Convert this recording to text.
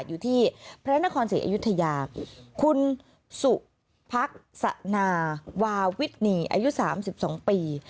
อยู่ที่พระนครศรีอยุธยาคุณสุภักษนาวาวิทนีอายุ๓๒ปี